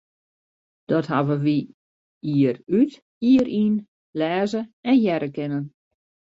Dat hawwe wy jier út, jier yn lêze en hearre kinnen.